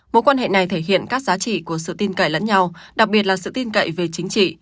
mối quan hệ này thể hiện các giá trị của sự tin cậy lẫn nhau đặc biệt là sự tin cậy về chính trị